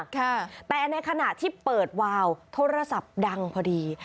ค่ะแต่ในขณะที่เปิดวาวโทรศัพท์ดังพอดี